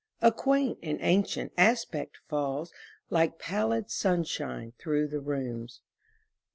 A quaint and ancient aspect falls Like pallid sunshine through the rooms.